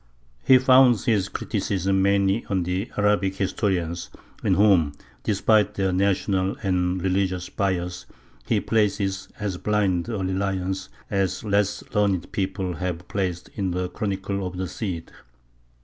He founds his criticisms mainly on the Arabic historians, in whom, despite their national and religious bias, he places as blind a reliance as less learned people have placed in the Chronicle of the Cid.